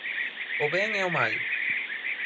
O ben e o mal.